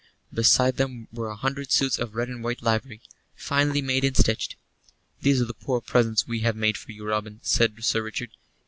Beside them were a hundred suits of red and white livery, finely made and stitched. "These are the poor presents we have made for you, Robin," said Sir Richard.